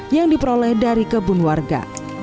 yang diperoleh dari kebun warga